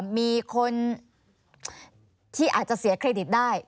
มีคนที่อาจจะเสียเครดิตได้